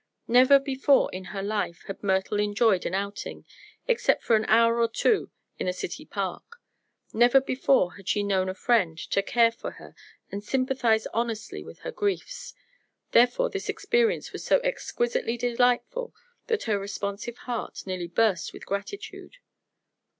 Never before in her life had Myrtle enjoyed an outing, except for an hour or two in a city park; never before had she known a friend to care for her and sympathize honestly with her griefs. Therefore this experience was so exquisitely delightful that her responsive heart nearly burst with gratitude.